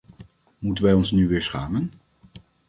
Moeten wij ons nu weer schamen?